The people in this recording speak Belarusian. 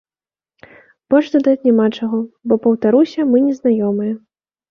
Больш дадаць няма чаго, бо, паўтаруся, мы не знаёмыя.